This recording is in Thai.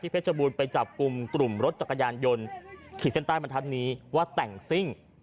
ที่เพชรบูรณ์ไปจับกลุ่มรถจักรยานยนต์ขีดเส้นใต้มาทันทีว่าแต่งซิ่ง